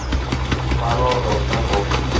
ভাল অটল থাকো।